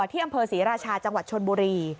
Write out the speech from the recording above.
ที่อำเภอศรีราชาจังหวัดชนบุรี